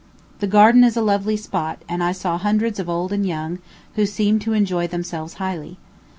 The garden is a lovely spot, and I saw hundreds of old and young, who seemed to enjoy themselves highly.